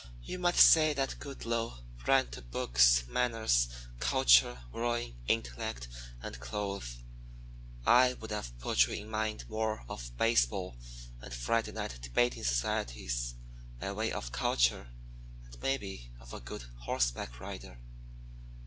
You might say that Goodloe ran to books, manners, culture, rowing, intellect, and clothes. I would have put you in mind more of baseball and Friday night debating societies by way of culture and maybe of a good horseback rider.